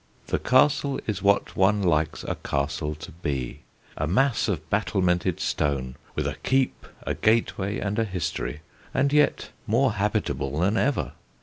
The castle is what one likes a castle to be a mass of battlemented stone, with a keep, a gateway, and a history, and yet more habitable than ever.